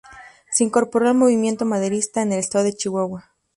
Se incorporó al movimiento maderista en el estado de Chihuahua.